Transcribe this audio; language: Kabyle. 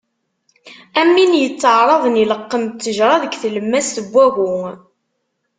Am win yetteɛraḍen ad ileqqem ttejra deg tlemmast n wagu.